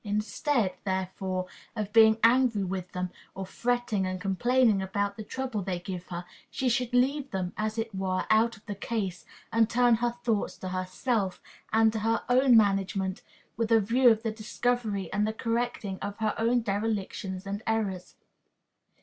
Instead, therefore, of being angry with them, or fretting and complaining about the trouble they give her, she should leave them, as it were, out of the case, and turn her thoughts to herself, and to her own management, with a view to the discovery and the correcting of her own derelictions and errors.